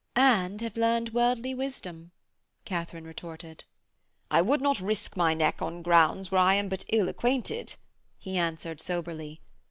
'And have learned worldly wisdom,' Katharine retorted. 'I would not risk my neck on grounds where I am but ill acquainted,' he answered soberly.